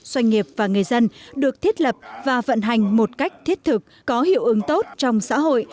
doanh nghiệp và người dân được thiết lập và vận hành một cách thiết thực có hiệu ứng tốt trong xã hội